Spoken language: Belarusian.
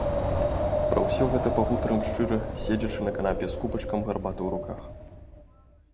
Пра ўсё гэта пагутарым шчыра, седзячы на канапе з кубачкам гарбаты ў руках.